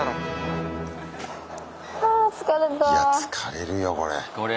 いや疲れるよこれ。